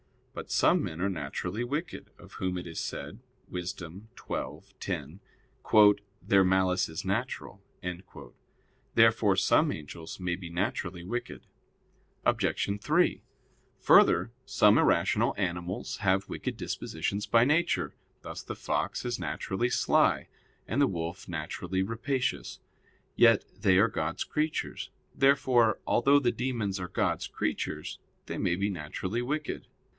But some men are naturally wicked, of whom it is said (Wis. 12:10): "Their malice is natural." Therefore some angels may be naturally wicked. Obj. 3: Further, some irrational animals have wicked dispositions by nature: thus the fox is naturally sly, and the wolf naturally rapacious; yet they are God's creatures. Therefore, although the demons are God's creatures, they may be naturally wicked.